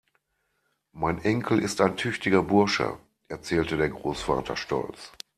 Mein Enkel ist ein tüchtiger Bursche, erzählte der Großvater stolz.